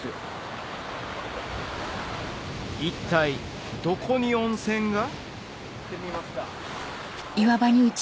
一体どこに温泉が？